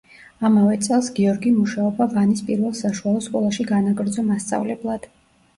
ამავე წელს გიორგიმ მუშაობა ვანის პირველ საშუალო სკოლაში განაგრძო მასწავლებლად.